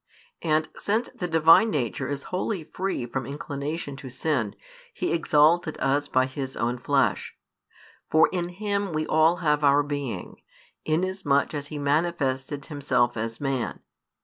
And, since the Divine Nature is wholly free from inclination to sin, He exalted us by His own Flesh. For in Him we all have our being, inasmuch as He manifested Himself as Man.